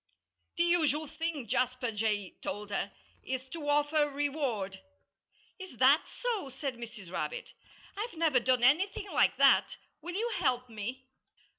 "The usual thing," Jasper Jay told her, "is to offer a reward." "Is that so?" said Mrs. Rabbit. "I've never done anything like that. Will you help me?"